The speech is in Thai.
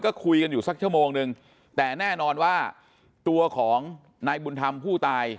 ก็คุยกันอยู่สักชั่วโมงนึงแต่แน่นอนว่าตัวของนายบุญธรรมผู้ตาย